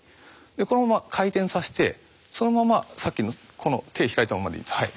このまま回転させてそのままさっきの手開いたままでいい。